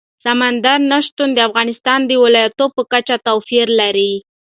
سمندر نه شتون د افغانستان د ولایاتو په کچه توپیر لري.